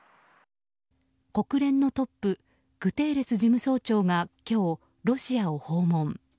国連のトップグテーレス事務総長が今日、ロシアを訪問。